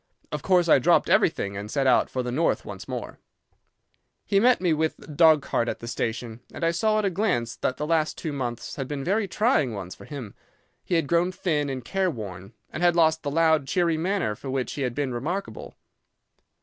Of course I dropped everything and set out for the North once more. "He met me with the dog cart at the station, and I saw at a glance that the last two months had been very trying ones for him. He had grown thin and careworn, and had lost the loud, cheery manner for which he had been remarkable.